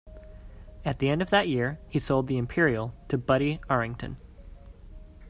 At the end of that year he sold the Imperial to Buddy Arrington.